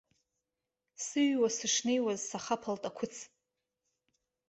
Сыҩуа сышнеиуаз сахаԥалт ақәыц.